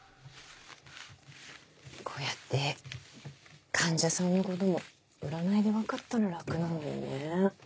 こうやって患者さんのことも占いで分かったら楽なのにね。